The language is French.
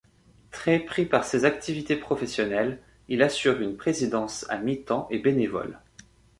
Très pris par ses activités professionnelles, il assure une présidence à mi-temps et bénévole.